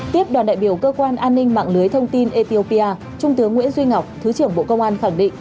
tiếp đoàn đại biểu cơ quan an ninh mạng lưới thông tin ethiopia trung tướng nguyễn duy ngọc thứ trưởng bộ công an khẳng định